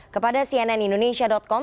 kepada cnn indonesia com